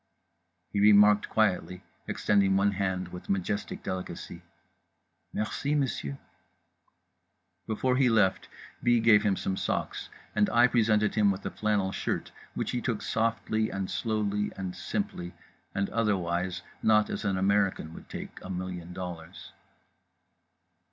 He remarked quietly, extending one hand with majestic delicacy: "Merci, monsieur." … Before he left, B. gave him some socks and I presented him with a flannel shirt, which he took softly and slowly and simply and otherwise not as an American would take a million dollars.